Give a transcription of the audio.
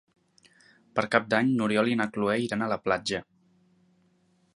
Per Cap d'Any n'Oriol i na Cloè iran a la platja.